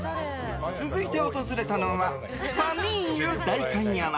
続いて訪れたのはファミーユ代官山。